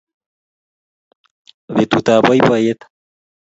betutab boiboiyet